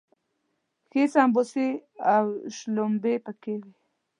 ښې سمبوسې او شلومبې پکې وي.